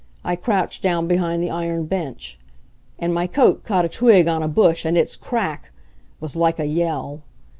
I crouched down behind the iron bench. And my coat caught a twig on a bush and its crack ck was like a yell.